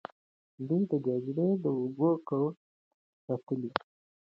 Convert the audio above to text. دوی د جګړې د اوبو کوهي ساتلې.